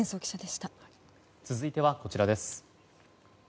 続いては、こちらです。